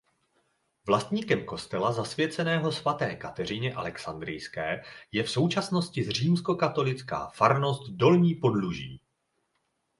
Vlastníkem kostela zasvěceného svaté Kateřině Alexandrijské je v současnosti Římskokatolická farnost Dolní Podluží.